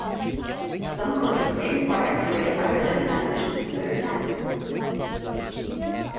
Some courses may require a grade higher than that which is considered passing.